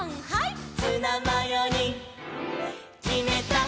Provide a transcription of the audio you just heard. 「ツナマヨにきめた！」